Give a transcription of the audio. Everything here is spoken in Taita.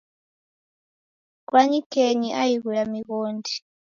Kwanyikenyi aighu ya mighodi